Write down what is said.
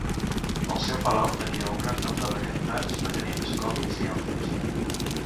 Al seu palau tenia un gran nombre de cantants, ballarins, còmics i altres.